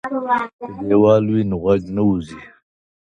که دیوال وي نو غږ نه وځي.